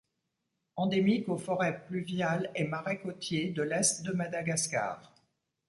Endémique aux forêts pluviales et marais côtiers de l'est de Madagascar.